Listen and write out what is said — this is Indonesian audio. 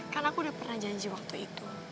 karena aku udah pernah janji waktu itu